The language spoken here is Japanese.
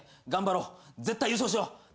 絶対優勝しよう！